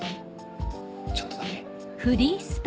ちょっとだけ。